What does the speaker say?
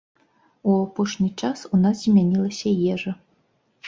У апошні час у нас змянілася ежа.